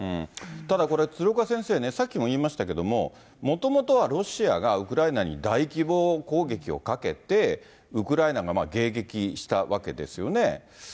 ただこれ、鶴岡先生ね、さっきも言いましたけど、もともとはロシアがウクライナに大規模攻撃をかけて、ウクライナが迎撃したわけですよね。